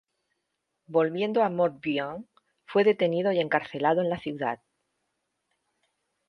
Volviendo a Morbihan, fue detenido y encarcelado en la ciudad.